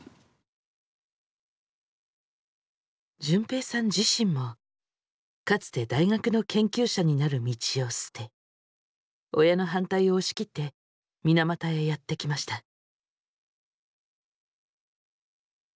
潤平さん自身もかつて大学の研究者になる道を捨て親の反対を押し切って水俣へやって来ました。